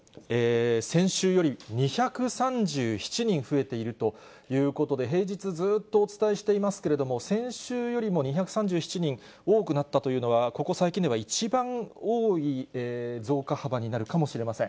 先週より２３７人増えているということで、平日、ずっとお伝えしていますけれども、先週よりも２３７人多くなったというのは、ここ最近では一番多い増加幅になるかもしれません。